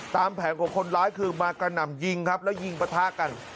แผงของคนร้ายคือมากระหน่ำยิงครับแล้วยิงปะทะกัน